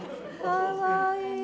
かわいい。